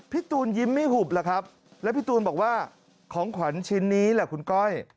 พี่ตูนยิ้มไม่หุบล่ะครับแล้วพี่ตูนบอกว่าของขวัญชิ้นนี้แหละคุณก้อย